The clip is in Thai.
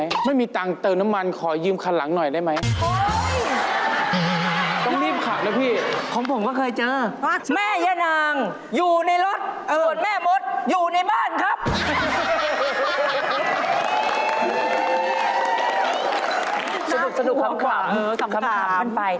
สนุกคำคามสำคัญคำถามอื่นไป